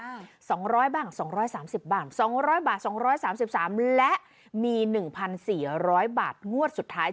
๒๐๐บาท๒๓๐บาท๒๐๐บาท๒๓๓บาทและมี๑๔๐๐บาทงวดสุดท้าย